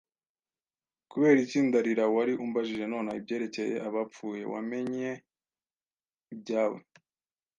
“Kubera iki?” Ndarira. “Wari umbajije nonaha ibyerekeye abapfuye. Wamennye ibyawe